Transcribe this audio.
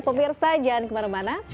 pemirsa jangan kemana mana